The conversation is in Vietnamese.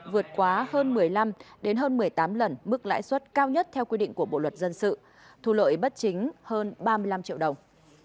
vượt quá hơn một mươi năm hơn một mươi tám lần mức lãi suất cao nhất theo quy định của bộ luật dân sự thu lợi bất chính hơn ba mươi năm triệu đồng